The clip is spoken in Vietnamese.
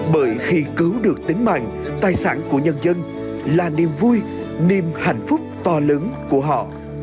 bởi khi cứu được tính mạng tài sản của nhân dân là niềm vui niềm hạnh phúc to lớn của họ